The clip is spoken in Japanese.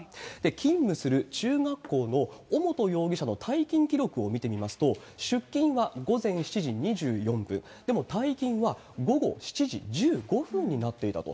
勤務する中学校の尾本容疑者の退勤記録を見てみますと、出勤は午前７時２４分、でも、退勤は午後７時１５分になっていたと。